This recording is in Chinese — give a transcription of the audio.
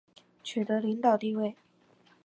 取得领导地位